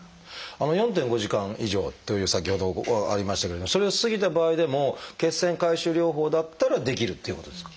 ４．５時間以上という先ほどありましたけれどもそれを過ぎた場合でも血栓回収療法だったらできるっていうことですか？